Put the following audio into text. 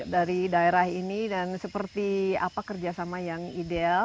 dari daerah ini dan seperti apa kerjasama yang ideal